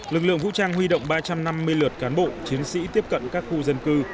lực lượng vũ trang huy động ba trăm năm mươi lượt cán bộ chiến sĩ tiếp cận các khu dân cư